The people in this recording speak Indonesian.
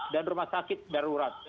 dan rumah sakit darurat